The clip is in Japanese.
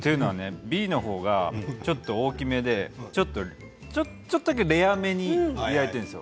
Ｂの方がちょっと大きめでちょっとだけレアめに焼いているんです。